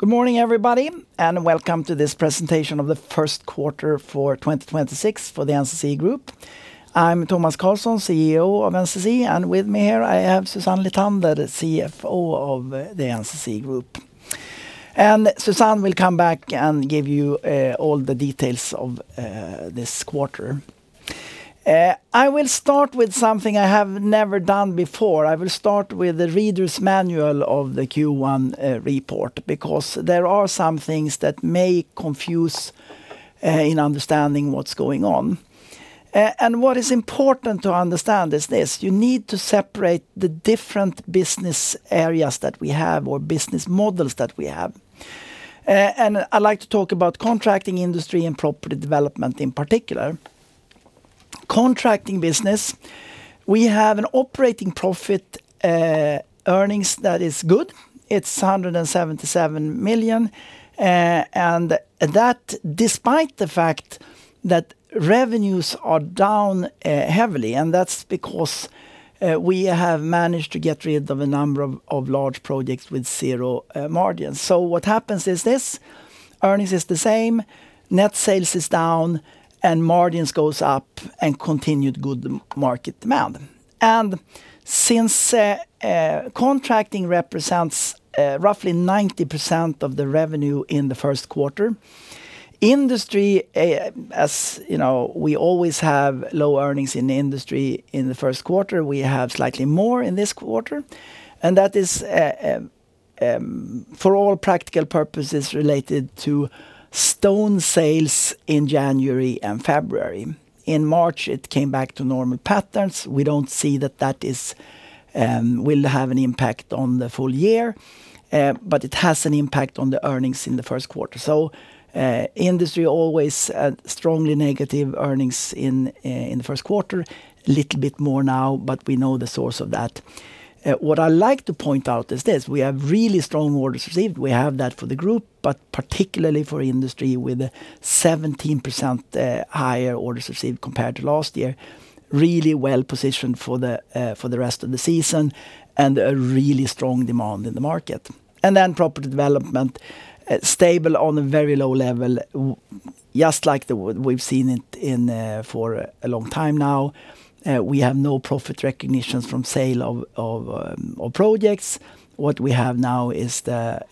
Good morning everybody, welcome to this presentation of the first quarter for 2026 for the NCC group. I'm Tomas Carlsson, CEO of NCC. With me here I have Susanne Lithander, the CFO of the NCC group. Susanne will come back and give you all the details of this quarter. I will start with something I have never done before. I will start with the reader's manual of the Q1 report, because there are some things that may confuse in understanding what's going on. What is important to understand is this: you need to separate the different business areas that we have or business models that we have. I'd like to talk about Contracting, Industry, and Property Development in particular. Contracting business, we have an operating profit earnings that is good. It's 177 million. That despite the fact that revenues are down heavily, that's because we have managed to get rid of a number of large projects with zero margins. What happens is this: earnings is the same, net sales is down, margins goes up, and continued good market demand. Since Contracting represents roughly 90% of the revenue in the first quarter, Industry, as, you know, we always have low earnings in the Industry in the first quarter, we have slightly more in this quarter. That is for all practical purposes related to stone sales in January and February. In March, it came back to normal patterns. We don't see that that is will have an impact on the full year, but it has an impact on the earnings in the first quarter. Industry always strongly negative earnings in the first quarter. Little bit more now, but we know the source of that. What I like to point out is this: we have really strong orders received. We have that for the group, but particularly for industry with 17% higher orders received compared to last year. Really well-positioned for the rest of the season and a really strong demand in the market. Property Development, stable on a very low level, just like we've seen it for a long time now. We have no profit recognitions from sale of projects. What we have now is the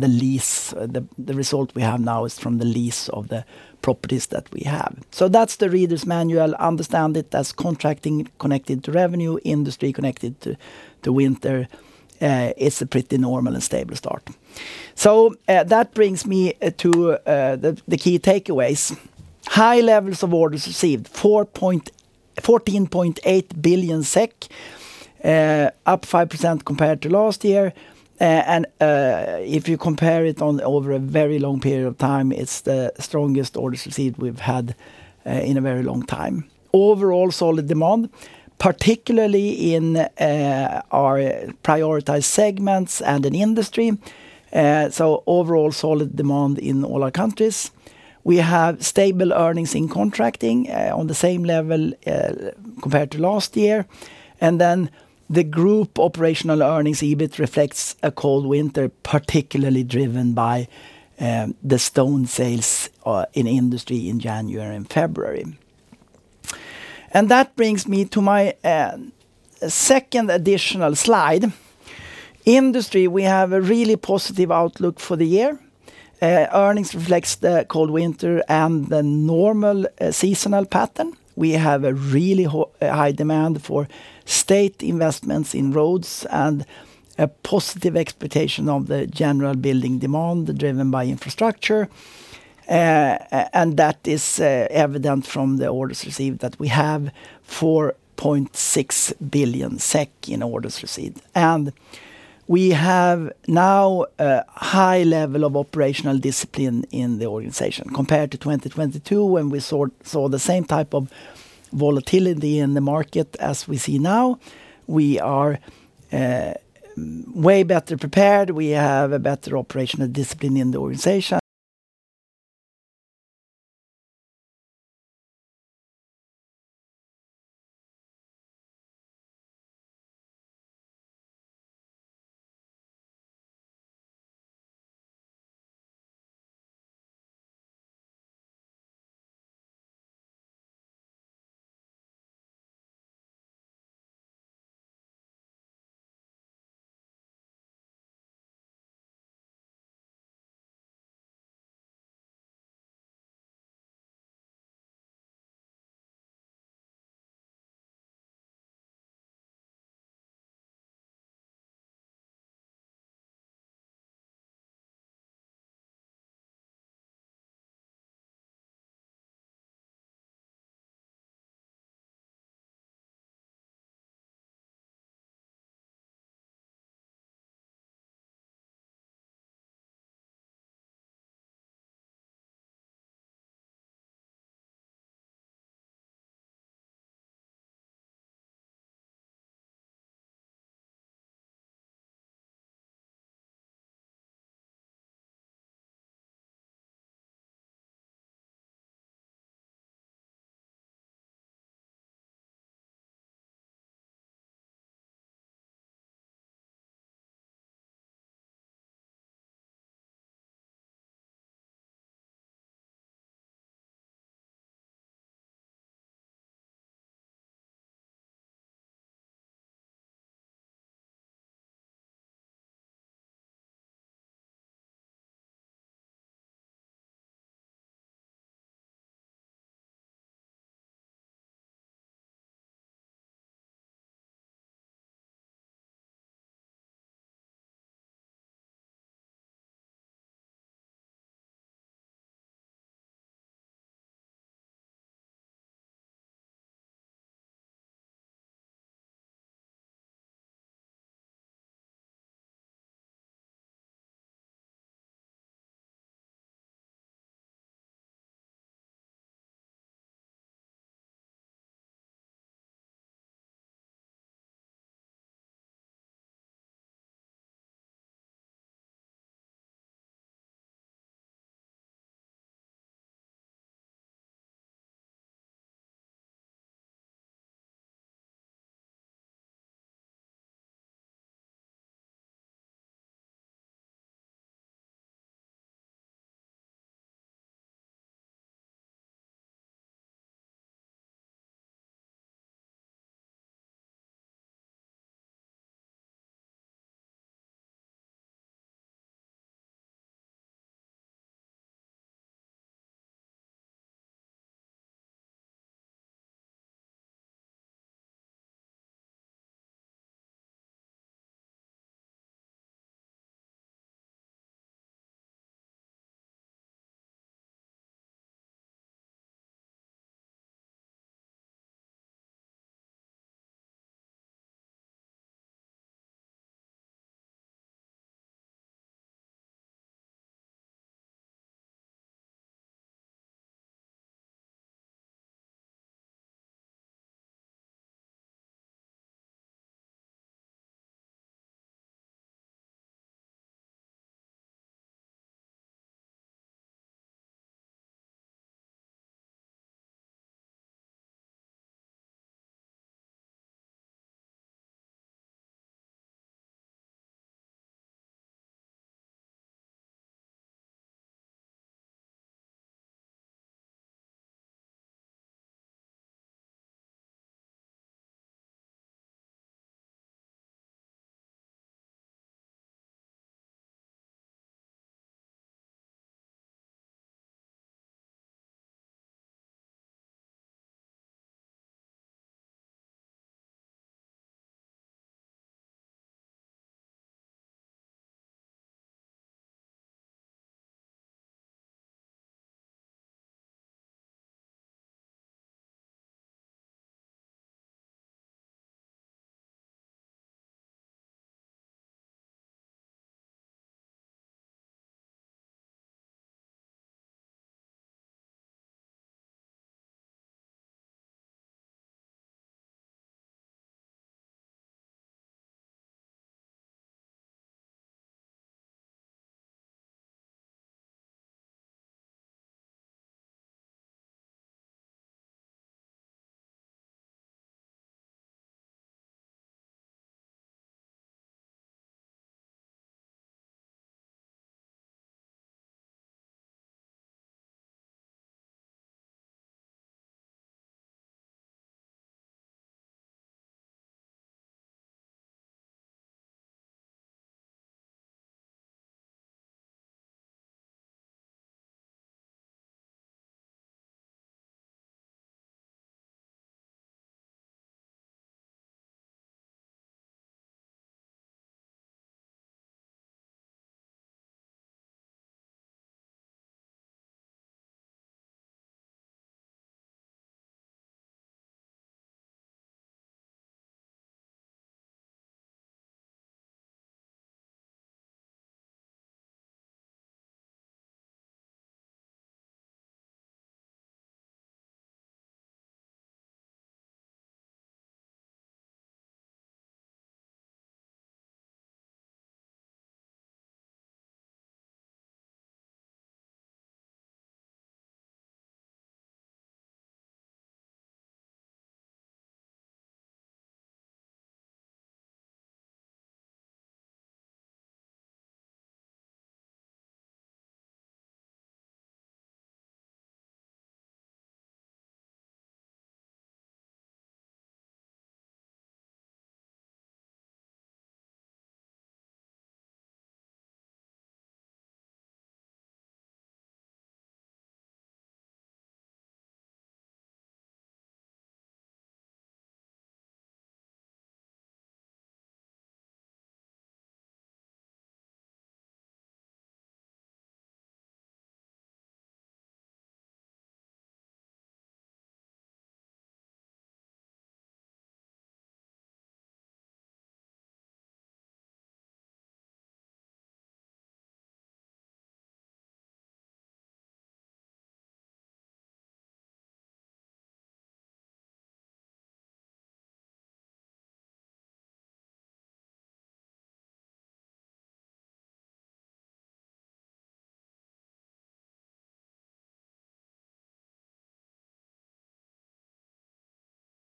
lease, the result we have now is from the lease of the properties that we have. That's the reader's manual. Understand it as Contracting connected to revenue, Industry connected to winter. It's a pretty normal and stable start. That brings me to the key takeaways. High levels of orders received. 14.8 billion SEK, up 5% compared to last year. If you compare it over a very long period of time, it's the strongest orders received we've had in a very long time. Overall solid demand, particularly in our prioritized segments and in industry. Overall solid demand in all our countries. We have stable earnings in Contracting, on the same level, compared to last year. The group operational earnings, EBIT, reflects a cold winter, particularly driven by the stone sales in Industry in January and February. That brings me to my second additional slide. Industry, we have a really positive outlook for the year. Earnings reflects the cold winter and the normal seasonal pattern. We have a really high demand for state investments in roads and a positive expectation of the general building demand driven by Infrastructure. That is evident from the orders received that we have 4.6 billion SEK in orders received. We have now a high level of operational discipline in the organization. Compared to 2022 when we saw the same type of volatility in the market as we see now, we are way better prepared. We have a better operational discipline in the organization.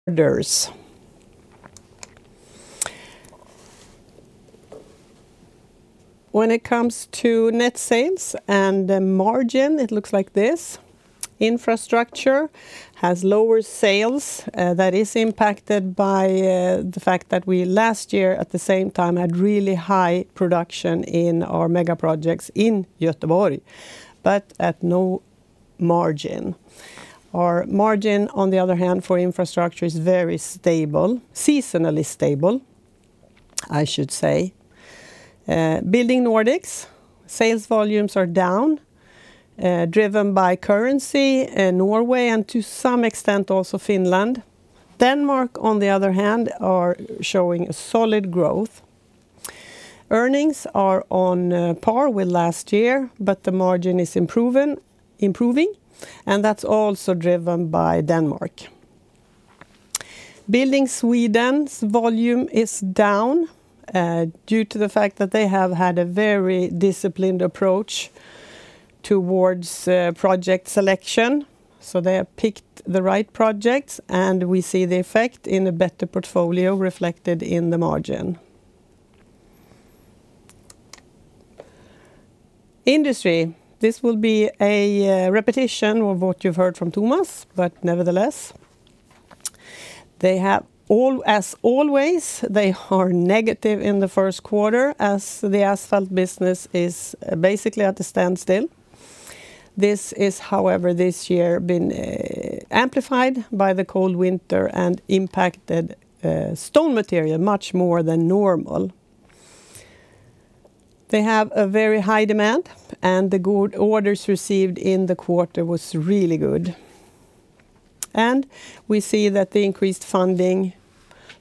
Orders. When it comes to net sales and the margin, it looks like this. Infrastructure has lower sales, that is impacted by the fact that we last year, at the same time, had really high production in our mega projects in Göteborg, but at no margin. Our margin, on the other hand, for Infrastructure is very stable, seasonally stable, I should say. Building Nordics, sales volumes are down, driven by currency in Norway and to some extent also Finland. Denmark, on the other hand, are showing a solid growth. Earnings are on par with last year, but the margin is improving, and that's also driven by Denmark. Building Sweden's volume is down, due to the fact that they have had a very disciplined approach towards project selection. They have picked the right projects, and we see the effect in a better portfolio reflected in the margin. Industry, this will be a repetition of what you've heard from Tomas, but nevertheless, they have all as always, they are negative in the first quarter as the asphalt business is basically at a standstill. This is however, this year, been amplified by the cold winter and impacted stone material much more than normal. They have a very high demand, and the good orders received in the quarter was really good. We see that the increased funding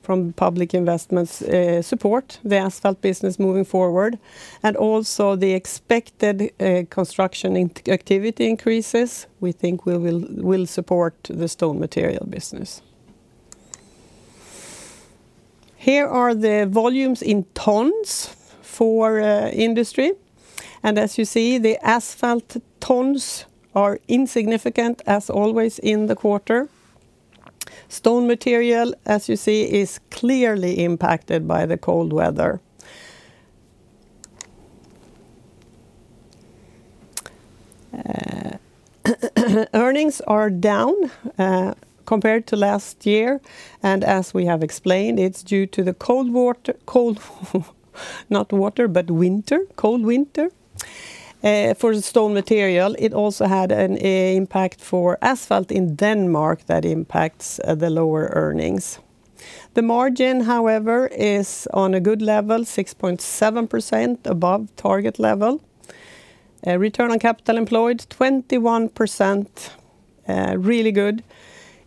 from public investments support the asphalt business moving forward, and also the expected construction activity increases, we think we will support the stone material business. Here are the volumes in tons for industry, and as you see, the asphalt tons are insignificant as always in the quarter. Stone material, as you see, is clearly impacted by the cold weather. Earnings are down compared to last year, and as we have explained, it's due to the cold winter for the stone material. It also had an impact for asphalt in Denmark that impacts the lower earnings. The margin, however, is on a good level, 6.7% above target level. Return on capital employed, 21%, really good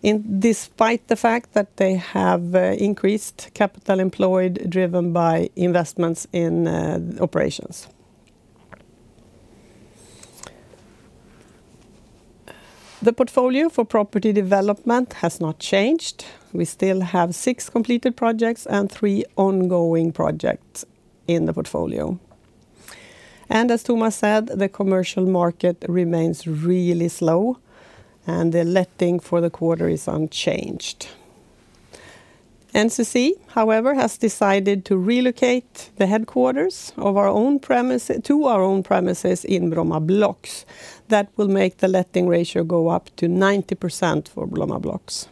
in despite the fact that they have increased capital employed driven by investments in operations. The portfolio for property development has not changed. We still have six completed projects and three ongoing projects in the portfolio. As Tomas said, the commercial market remains really slow, and the letting for the quarter is unchanged. NCC, however, has decided to relocate the headquarters to our own premises in Bromma Blocks. That will make the letting ratio go up to 90% for Bromma Blocks.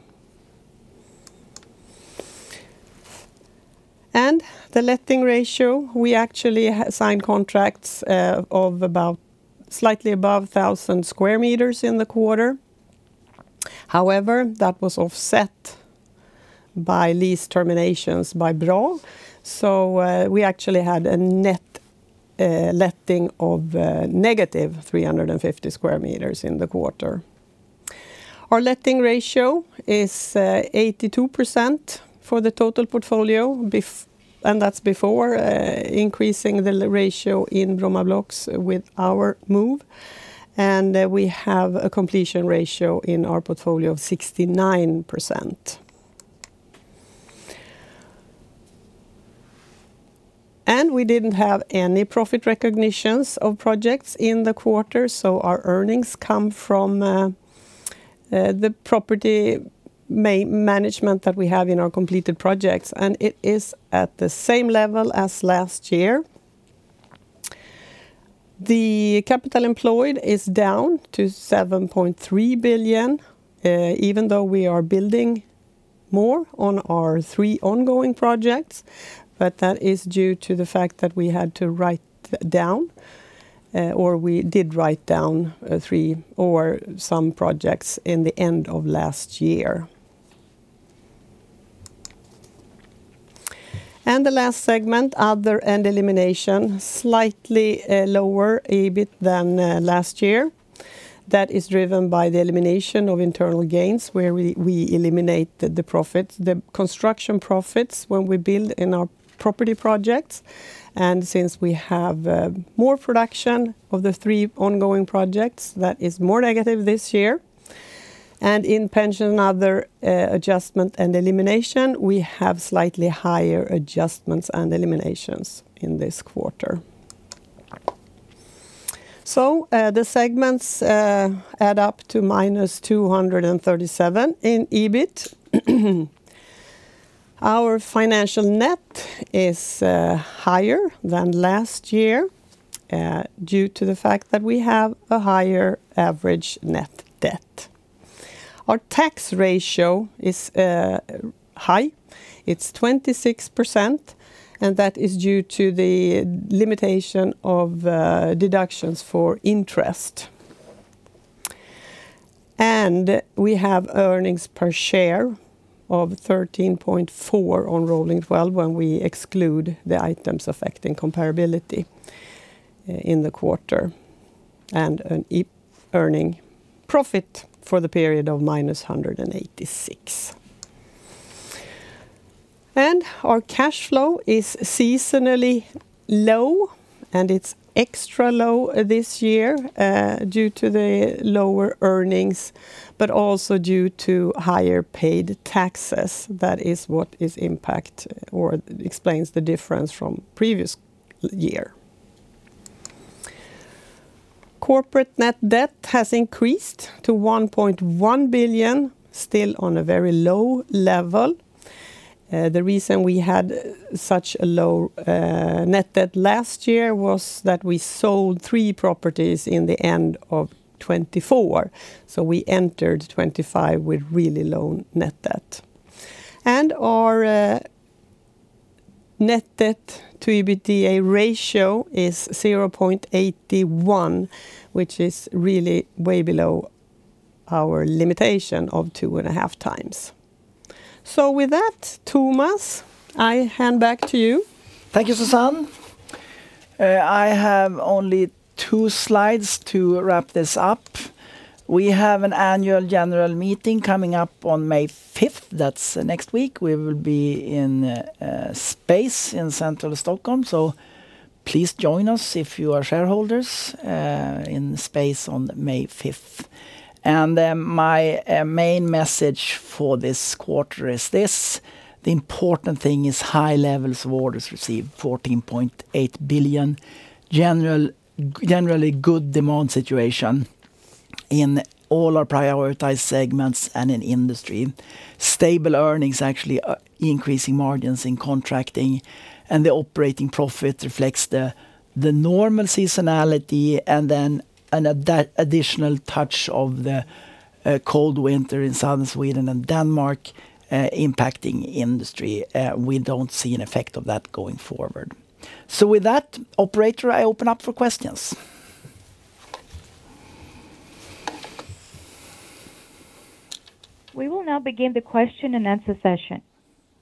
The letting ratio, we actually signed contracts of about slightly above 1,000 square meters in the quarter. However, that was offset by lease terminations by Bral. We actually had a net letting of negative 350 square meters in the quarter. Our letting ratio is 82% for the total portfolio, and that's before increasing the ratio in Bromma Blocks with our move. We have a completion ratio in our portfolio of 69%. We didn't have any profit recognitions of projects in the quarter, so our earnings come from the property management that we have in our completed projects, and it is at the same level as last year. The capital employed is down to 7.3 billion, even though we are building more on our three ongoing projects. That is due to the fact that we had to write down, or we did write down, three or some projects in the end of last year. The last segment, Other & Eliminations, slightly lower EBIT than last year. That is driven by the elimination of internal gains where we eliminate the profits, the construction profits when we build in our property projects. Since we have more production of the three ongoing projects, that is more negative this year. In pension and other adjustment and elimination, we have slightly higher adjustments and eliminations in this quarter. The segments add up to -237 million in EBIT. Our financial net is higher than last year due to the fact that we have a higher average net debt. Our tax ratio is high. It's 26%, that is due to the limitation of deductions for interest. We have earnings per share of 13.4 on rolling 12 when we exclude the items affecting comparability in the quarter, and an earning profit for the period of minus -186 million. Our cash flow is seasonally low, and it's extra low this year, due to the lower earnings, but also due to higher paid taxes. That is what is impact or explains the difference from previous year. Corporate net debt has increased to 1.1 billion, still on a very low level. The reason we had such a low net debt last year was that we sold three properties in the end of 2024. We entered 2025 with really low net debt. Our net debt to EBITDA ratio is 0.81, which is really way below our limitation of 2.5x. With that, Tomas, I hand back to you. Thank you, Susanne. I have only two slides to wrap this up. We have an Annual General Meeting coming up on May 5th. That's next week. We will be in SPACE in Central Stockholm, please join us if you are shareholders in SPACE on May 5th. My main message for this quarter is this. The important thing is high levels of orders received, 14.8 billion. Generally good demand situation in all our prioritized segments and in industry. Stable earnings, actually, increasing margins in contracting, the operating profit reflects the normal seasonality and then an additional touch of the cold winter in Southern Sweden and Denmark, impacting industry. We don't see an effect of that going forward. With that, operator, I open up for questions. We will now begin the question and answer session.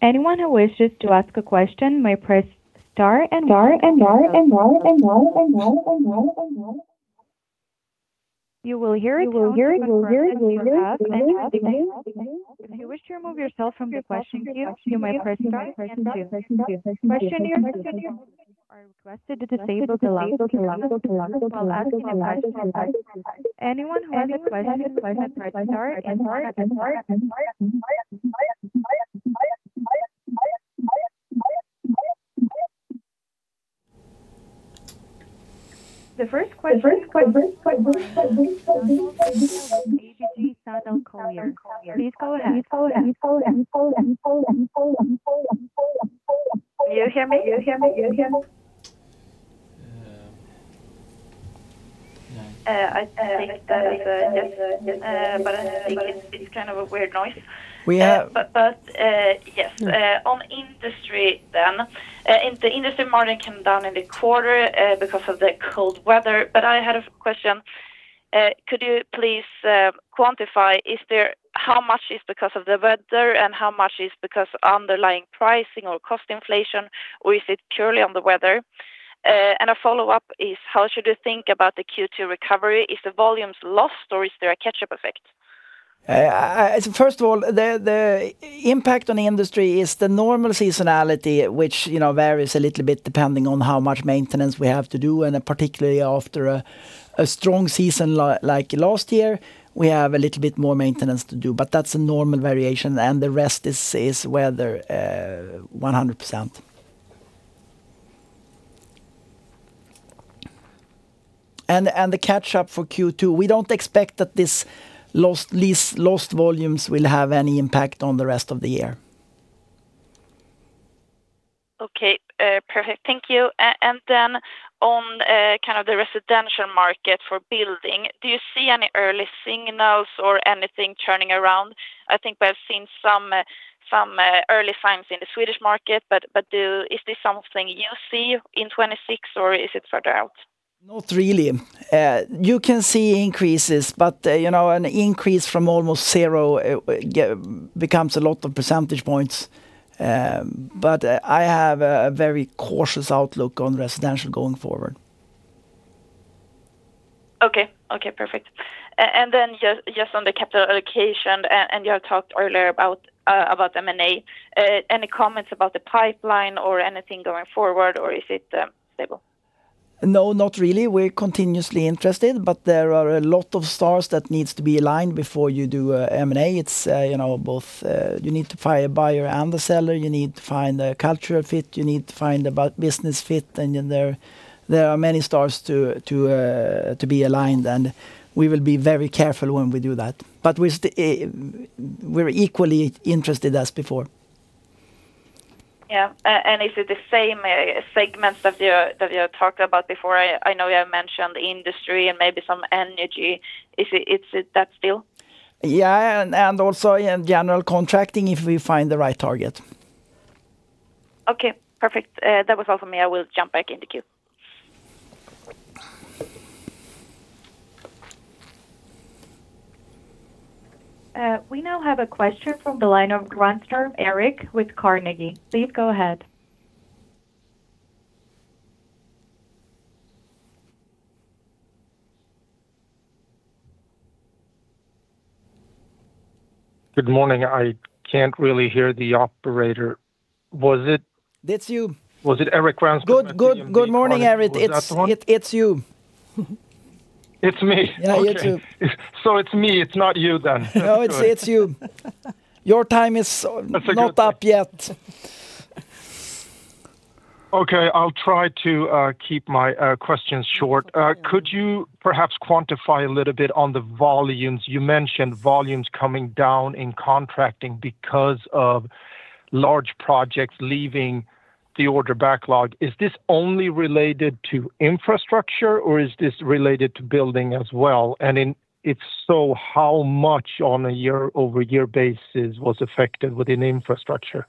Anyone who wishes to ask a question may press star and one on their telephone. You will hear a tone when your question is up and waiting. If you wish to remove yourself from the question queue, you may press star and two. Questioners are requested to disable the loudspeaker while asking a question. Anyone who has a question may press star and one. The first question comes from ABG Sundal Collier. Please go ahead. Do you hear me? No. I think that, yes. I think it's kind of a weird noise. We have- Yes. On Industry then. The Industry margin came down in the quarter because of the cold weather. I had a question. Could you please quantify, how much is because of the weather and how much is because of underlying pricing or cost inflation, or is it purely on the weather? A follow-up is, how should you think about the Q2 recovery? Is the volumes lost or is there a catch-up effect? First of all, the impact on the industry is the normal seasonality, which, you know, varies a little bit depending on how much maintenance we have to do. Particularly after a strong season like last year, we have a little bit more maintenance to do. But that's a normal variation, and the rest is weather, 100%. The catch-up for Q2, we don't expect that these lost volumes will have any impact on the rest of the year. Okay. Perfect. Thank you. Then on, kind of the residential market for Building, do you see any early signals or anything turning around? I think we've seen some early signs in the Swedish market, but is this something you see in 2026 or is it further out? Not really. You can see increases, but, you know, an increase from almost 0 becomes a lot of percentage points. I have a very cautious outlook on residential going forward. Okay, perfect. Just on the capital allocation, you have talked earlier about M&A. Any comments about the pipeline or anything going forward, or is it stable? No, not really. We're continuously interested, but there are a lot of stars that needs to be aligned before you do M&A. It's, you know, both, you need to find a buyer and the seller, you need to find a cultural fit, you need to find a business fit, and then there are many stars to be aligned, and we will be very careful when we do that. We're equally interested as before. Yeah. Is it the same segments that you talked about before? I know you have mentioned Industry and maybe some energy. Is it that still? Yeah, and also in General Contracting if we find the right target. Okay. Perfect. That was all from me. I will jump back in the queue. We now have a question from the line of Granström, Erik with Carnegie. Please go ahead. Good morning. I can't really hear the operator. It's you. Was it Erik Granström at DNB Carnegie? Was that the one? Good morning, Erik. It's you. It's me. Yeah, it's you. Okay. It's me, it's not you then. That's good. No, it's you. Your time is. That's okay. Not up yet. Okay. I'll try to keep my questions short. Could you perhaps quantify a little bit on the volumes? You mentioned volumes coming down in Contracting because of large projects leaving the order backlog. Is this only related to Infrastructure or is this related to Building as well? If so, how much on a year-over-year basis was affected within Infrastructure?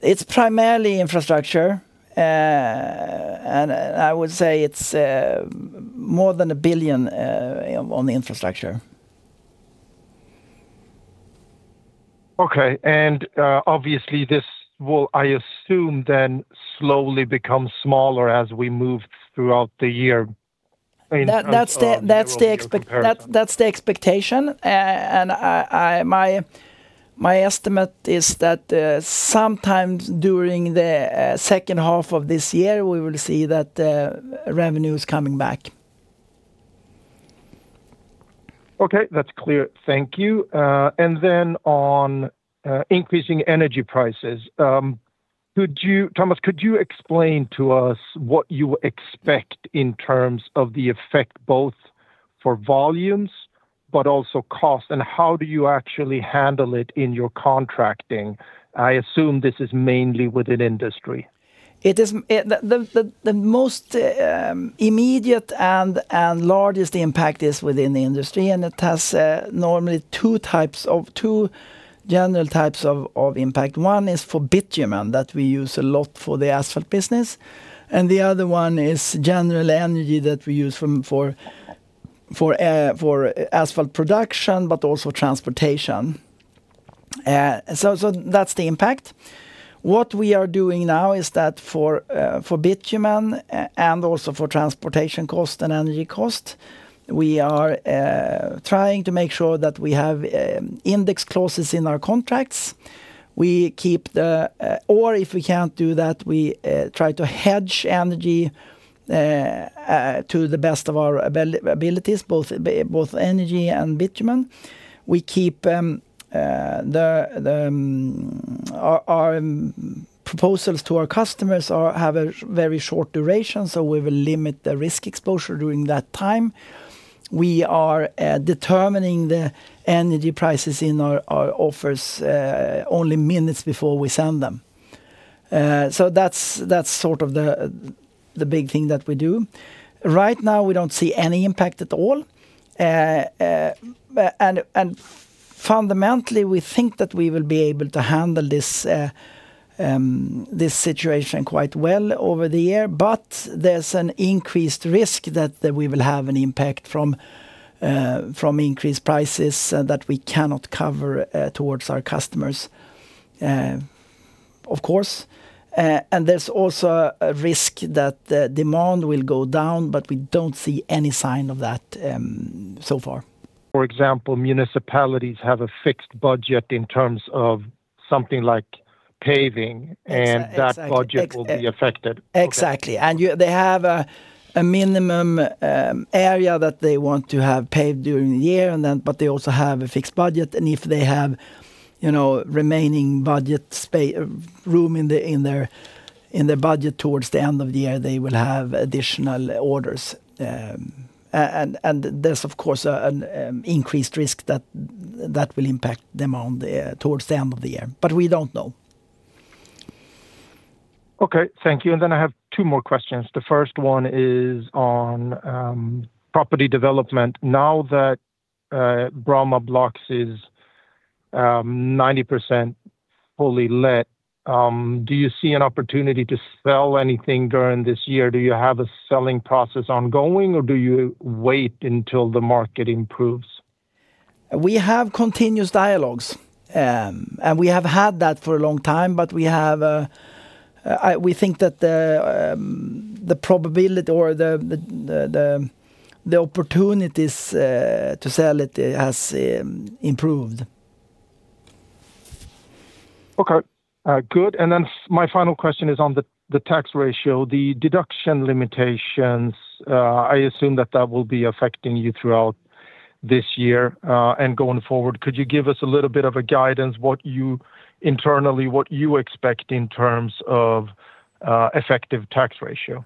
It's primarily Infrastructure. I would say it's more than SEK 1 billion on the Infrastructure. Okay. Obviously this will, I assume then, slowly become smaller as we move throughout the year in, year-over-year comparison. That's the expectation. My estimate is that, sometimes during the second half of this year we will see that revenue is coming back. Okay. That's clear. Thank you. Then on increasing energy prices, Tomas, could you explain to us what you expect in terms of the effect both for volumes but also cost, and how do you actually handle it in your Contracting? I assume this is mainly within Industry. It is the most immediate and largest impact is within the Industry. It has normally two types of, two general types of impact. One is for bitumen that we use a lot for the asphalt business, and the other one is general energy that we use from for asphalt production, but also transportation. That's the impact. What we are doing now is that for for bitumen and also for transportation cost and energy cost, we are trying to make sure that we have index clauses in our contracts. If we can't do that, we try to hedge energy to the best of our abilities, both energy and bitumen. We keep our proposals to our customers have a very short duration, so we will limit the risk exposure during that time. We are determining the energy prices in our offers only minutes before we send them. That's sort of the big thing that we do. Right now, we don't see any impact at all. Fundamentally, we think that we will be able to handle this situation quite well over the year. There's an increased risk that we will have an impact from increased prices that we cannot cover towards our customers, of course. There's also a risk that the demand will go down, but we don't see any sign of that so far. For example, municipalities have a fixed budget in terms of something like paving- Exactly. That budget will be affected. Okay. Exactly. They have a minimum area that they want to have paved during the year. But they also have a fixed budget. If they have, you know, remaining budget room in their budget towards the end of the year, they will have additional orders. There's of course an increased risk that will impact demand there towards the end of the year. We don't know. Okay. Thank you. I have two more questions. The first one is on Property Development. Now that Bromma Blocks is 90% fully let, do you see an opportunity to sell anything during this year? Do you have a selling process ongoing or do you wait until the market improves? We have continuous dialogues, and we have had that for a long time, but we have, we think that the probability or the opportunities to sell it has improved. Okay. Good. My final question is on the tax ratio, the deduction limitations. I assume that that will be affecting you throughout this year and going forward. Could you give us a little bit of a guidance what you internally, what you expect in terms of effective tax ratio?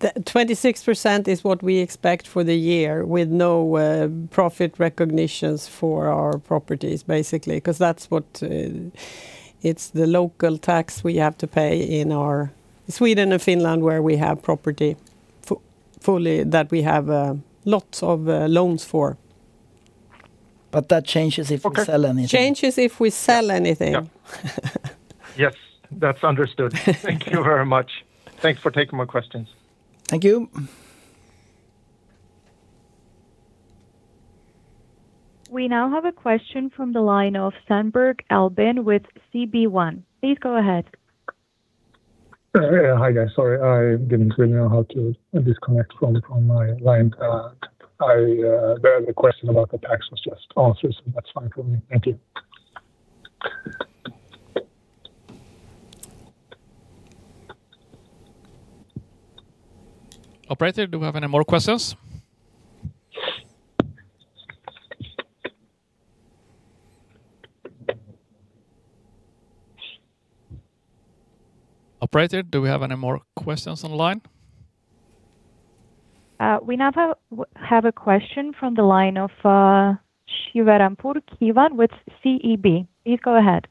The 26% is what we expect for the year with no profit recognitions for our properties, basically, 'cause that's what it's the local tax we have to pay in our Sweden and Finland, where we have property fully that we have lots of loans for. That changes if we sell anything. Okay. Changes if we sell anything. Yep. Yes, that's understood. Thank you very much. Thanks for taking my questions. Thank you. We now have a question from the line of Sandberg, Albin with SB1. Please go ahead. Yeah, hi guys. Sorry, I didn't really know how to disconnect from my line. I heard the question about the tax was just answered, so that's fine for me. Thank you. Operator, do we have any more questions? Operator, do we have any more questions on the line? We now have a question from the line of Shirvanpour, Keivan with SEB. Please go ahead.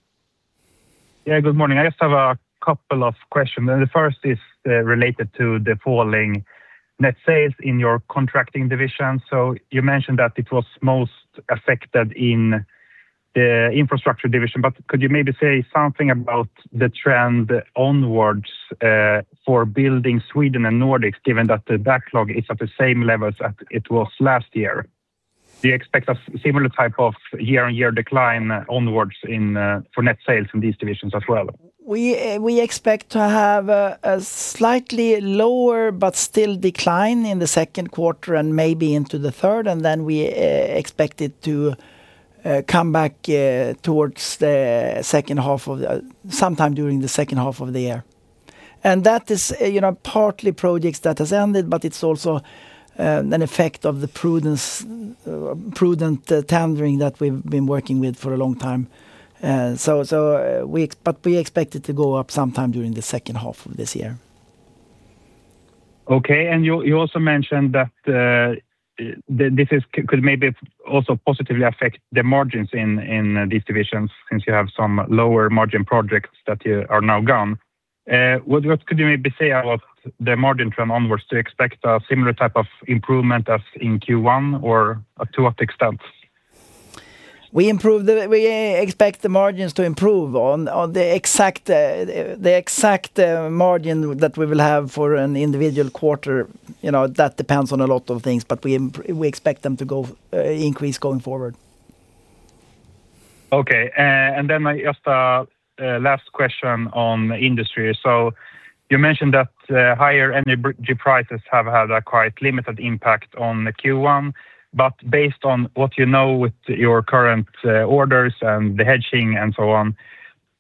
Yeah, good morning. I just have a couple of questions. The first is related to the falling net sales in your Contracting division. You mentioned that it was most affected in the Infrastructure division, but could you maybe say something about the trend onwards for Building Sweden and Nordics, given that the backlog is at the same level that it was last year? Do you expect a similar type of year-on-year decline onwards in for net sales in these divisions as well? We expect to have a slightly lower but still decline in the second quarter and maybe into the third, and then we expect it to come back sometime during the second half of the year. That is, you know, partly projects that has ended, but it's also an effect of the prudence, prudent tendering that we've been working with for a long time. We expect it to go up sometime during the second half of this year. Okay. You, you also mentioned that this could maybe also positively affect the margins in these divisions since you have some lower margin projects that are now gone. What could you maybe say about the margin trend onwards to expect a similar type of improvement as in Q1 or to what extent? We expect the margins to improve on the exact, the exact, margin that we will have for an individual quarter. You know, that depends on a lot of things, but we expect them to go, increase going forward. Okay. I just last question on industry. You mentioned that higher energy prices have had a quite limited impact on the Q1. Based on what you know with your current orders and the hedging and so on,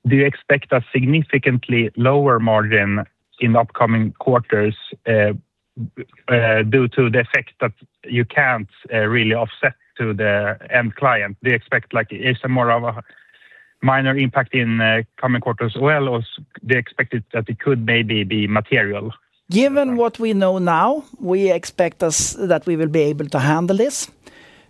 do you expect a significantly lower margin in upcoming quarters due to the effect that you can't really offset to the end client? Do you expect, like, is it more of a minor impact in coming quarters as well, or do you expect it that it could maybe be material? Given what we know now, we expect that we will be able to handle this.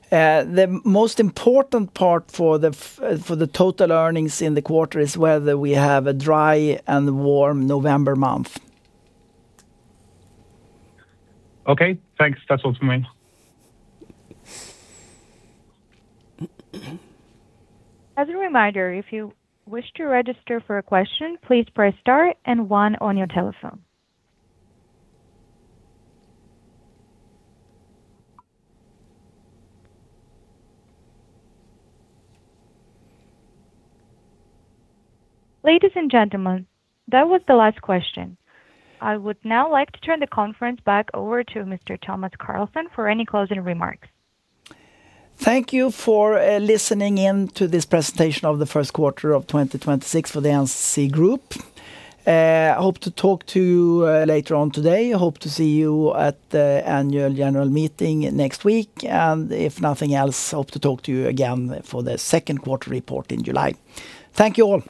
The most important part for the total earnings in the quarter is whether we have a dry and warm November month. Okay, thanks. That's all for me. As a reminder, if you wish to register for a question, please press star and one on your telephone. Ladies and gentlemen, that was the last question. I would now like to turn the conference back over to Mr. Tomas Carlsson for any closing remarks. Thank you for listening in to this presentation of the first quarter of 2026 for the NCC Group. I hope to talk to you later on today. I hope to see you at the Annual General Meeting next week. If nothing else, I hope to talk to you again for the second quarter report in July. Thank you all.